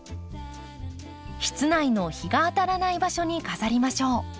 室内の日が当たらない場所に飾りましょう。